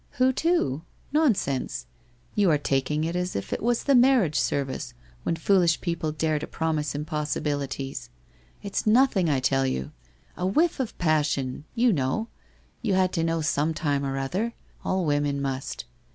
Who to? Nonsense! You arc taking it as if it was the marriage service, when foolish people dare to promise impossibilities. It's nothing, I tell you. A whiff of passion. You know. You had to know some time or other. All women must.